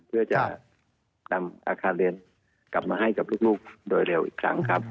เพื่อจะนำอาคารเรียนกลับมาให้กับลูกโดยเร็วอีกครั้งครับ